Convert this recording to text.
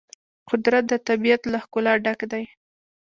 قدرت د طبیعت له ښکلا ډک دی.